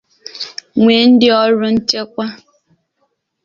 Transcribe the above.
nwee ndị ọrụ nchekwa